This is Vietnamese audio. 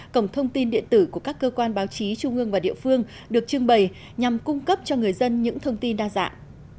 cổng thông tin điện tử của các cơ quan báo chí trung ương và địa phương được trưng bày nhằm cung cấp cho người dân những thông tin đa dạng